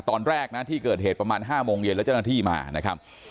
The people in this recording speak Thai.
ตอนแรกนะที่เกิดเหตุประมาณ๕โมงเย็นแล้วเจ้าหน้าที่มานะครับ